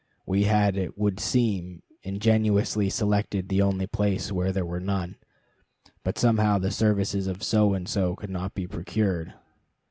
We had, it would seem, ingeniously selected the only place where there were none. But somehow the services of So and So could not be procured.